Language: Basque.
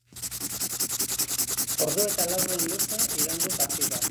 Ordu eta laurden luze iraun du partidak.